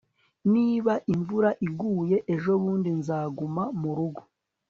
niba imvura iguye ejobundi, nzaguma murugo